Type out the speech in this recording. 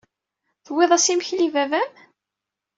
Tewwiḍ-as imekli i baba-m?